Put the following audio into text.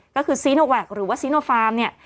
ก็คือซีโนแวคหรือว่าซีโนฟาร์มเนี่ย